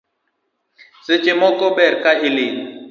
Seche moko ber ka iling